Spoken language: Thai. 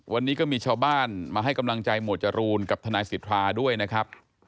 วันนี้ก็มีชาวบ้านมาให้กำลังใจหมวดจรูนกับทนายสิทธาด้วยนะครับ